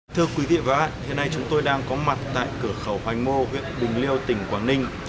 thưa quý vị và các bạn hiện nay chúng tôi đang có mặt tại cửa khẩu hoành mô huyện bình liêu tỉnh quảng ninh